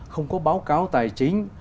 không có báo cáo tài chính